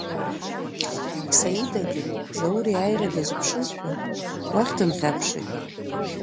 Саидагьы, Заур иааира дазыԥшызшәа, уахь дынхьаԥшит.